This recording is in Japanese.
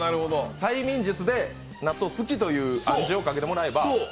催眠術で納豆好きという暗示をかけてもらえば。